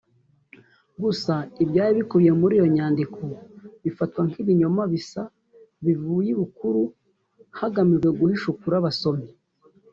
Gusa ibyari bikubiye muri iyo nyandiko bifatwa nk’ibinyoma bisa bivuye ibukuru hagamijwe guhisha ukuri abasomyi